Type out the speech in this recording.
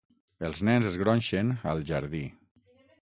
Els nens es gronxen al jardí.